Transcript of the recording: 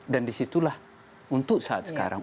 dan disitulah untuk saat sekarang